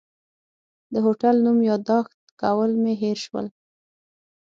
د هوټل نوم یاداښت کول مې هېر شول.